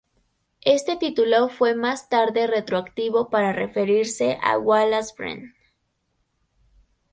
Este título fue más tarde retroactivo para referirse a Wallace Breen.